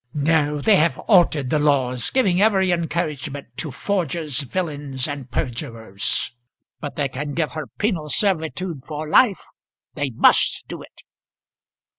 "No; they have altered the laws, giving every encouragement to forgers, villains, and perjurers. But they can give her penal servitude for life. They must do it."